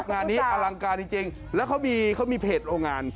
งานนี้อลังการจริงแล้วเขามีเพจโรงงาน